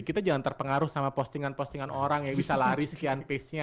kita jangan terpengaruh sama postingan postingan orang yang bisa lari sekian pace nya